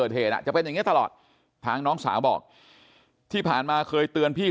จะเป็นอย่างนี้ตลอดทางน้องสาวบอกที่ผ่านมาเคยเตือนพี่